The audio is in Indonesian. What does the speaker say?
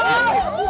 gua jadi gamin